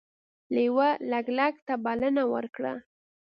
لیوه لګلګ ته بلنه ورکړه.